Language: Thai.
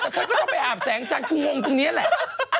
แต่ฉันก็ต้องไปอาบแสงจันทร์คืองงตรงนี้แหละ